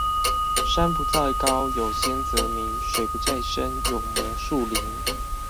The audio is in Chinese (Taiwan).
山不在高，有仙則名。水不在深，有魔術靈